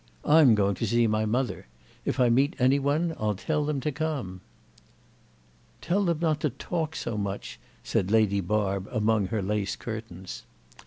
I'm going to see my mother. If I meet any one I'll tell them to come." "Tell them not to talk so much," said Lady Barb among her lace curtains.